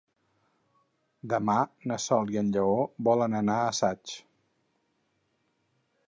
Demà na Sol i en Lleó volen anar a Saix.